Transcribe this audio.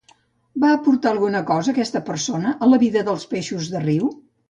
Va aportar alguna cosa aquesta persona a la vida dels peixos de riu?